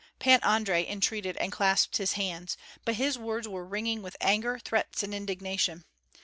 Pan Andrei entreated and clasped his hands, but his words were ringing with anger, threats, and indignation.